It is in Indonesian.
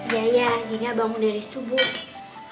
iya iya dina bangun dari subuh